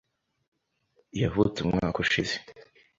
Yavutse umwaka ushize.